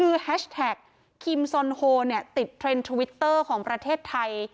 คือแฮชแท็กคิมซอนโฮเนี่ยติดเทรนด์ทวิตเตอร์ของประเทศไทย